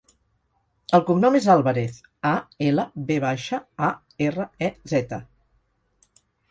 El cognom és Alvarez: a, ela, ve baixa, a, erra, e, zeta.